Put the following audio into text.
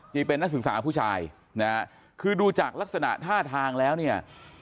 นี่เป็นนักศึกษาผู้ชายนะฮะคือดูจากลักษณะท่าทางแล้วเนี่ย